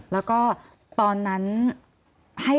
แล้วก็ตอนนั้นให้รายละเอียดไหมค่ะ